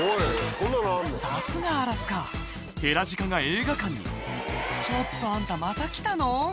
さすがアラスカヘラジカが映画館に「ちょっとあんたまた来たの？」